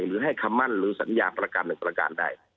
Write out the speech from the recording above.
หรือให้คำมั่นหรือสัญญาประกันหนึ่งประการใด